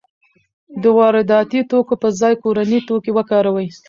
د وارداتي توکو په ځای کورني توکي وکاروئ.